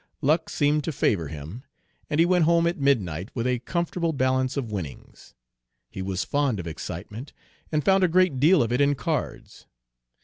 Luck seemed to favor him, and he went home at midnight with a comfortable balance of winnings. He was fond of excitement, and found a great deal of it in cards.